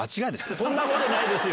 そんなことないですよ。